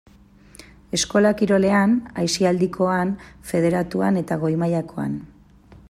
Eskola kirolean, aisialdikoan, federatuan eta goi-mailakoan.